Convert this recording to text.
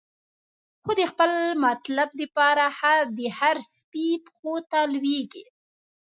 خو د خپل مطلب د پاره، د هر سپی پښو ته لویږی